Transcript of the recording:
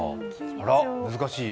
あらっ、難しい。